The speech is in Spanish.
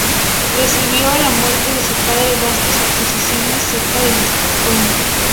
Recibió a la muerte de su padre vastas posesiones cerca de Estocolmo.